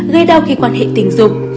gây đau khi quan hệ tình dục